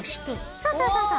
そうそうそうそう。